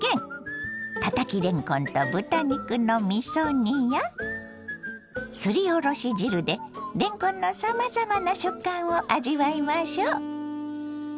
たたきれんこんと豚肉のみそ煮やすりおろし汁でれんこんのさまざまな食感を味わいましょ。